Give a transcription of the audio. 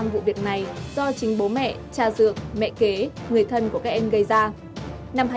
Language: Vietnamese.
chín mươi bảy vụ việc này do chính bố mẹ cha dược mẹ kế người thân của các em gây ra